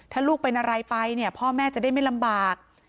ถ้าลูกเป็นอะไรไปเนี่ยพ่อแม่จะได้ไม่ลำบาก